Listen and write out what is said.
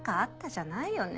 じゃないよね？